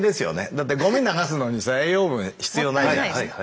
だってゴミ流すのにさ栄養分必要ないじゃないですか。